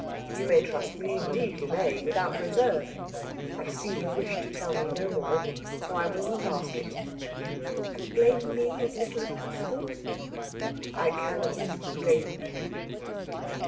"You may trust me indeed, you may without reserve. I see you wish to tell me no more, so I will not ask it." "And blame me as little as possible?" "I cannot blame you."